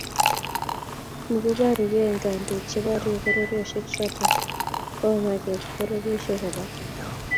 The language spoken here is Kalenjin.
Ni koborukei eng kandoik cheborie pororiosiek choto komamake kiy pororiosiek alak